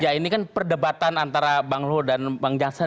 ya ini kan perdebatan antara bang luhut dan bang jansen